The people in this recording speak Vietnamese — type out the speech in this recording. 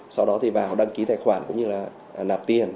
sau đó thì bảo đăng ký tài khoản cũng như là nạp tiền